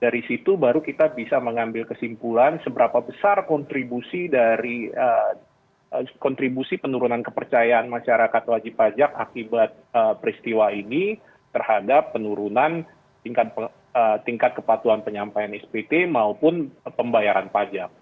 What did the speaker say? dari situ baru kita bisa mengambil kesimpulan seberapa besar kontribusi dari kontribusi penurunan kepercayaan masyarakat wajib pajak akibat peristiwa ini terhadap penurunan tingkat kepatuhan penyampaian spt maupun pembayaran pajak